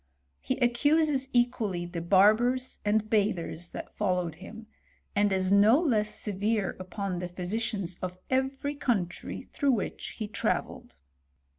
He accuses equally the barbers and bathers that followed him, and is no less severe upon the physicians of every country through which he travelled.